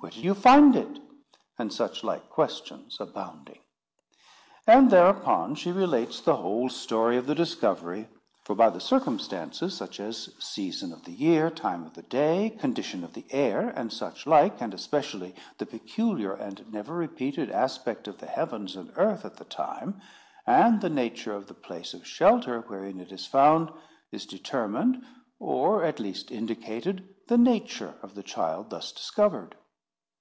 Where did you find it?_" and such like questions, abounding. And thereupon she relates the whole story of the discovery; for by the circumstances, such as season of the year, time of the day, condition of the air, and such like, and, especially, the peculiar and never repeated aspect of the heavens and earth at the time, and the nature of the place of shelter wherein it is found, is determined, or at least indicated, the nature of the child thus discovered.